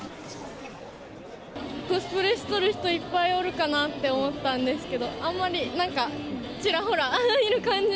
コスプレしとる人、いっぱいおるかなって思ったんですけど、あんまり、なんかちらほらいる感じ。